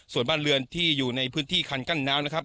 ส่วนบ้านเรือนที่อยู่ในพื้นที่คันกั้นน้ำนะครับ